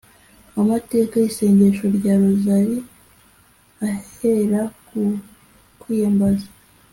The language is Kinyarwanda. amateka y’isengesho rya rozali ahera ku kwiyambaza